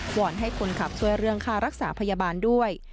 อนให้คนขับช่วยเรื่องค่ารักษาพยาบาลด้วย